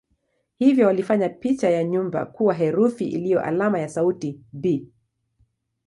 Hivyo walifanya picha ya nyumba kuwa herufi iliyo alama ya sauti "b".